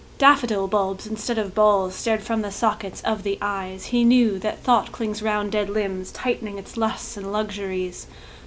Daffodil bulbs instead of balls Stared from the sockets of the eyes! He knew that thought clings round dead limbs Tightening its lusts and luxuries.